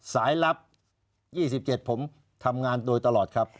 ลับ๒๗ผมทำงานโดยตลอดครับ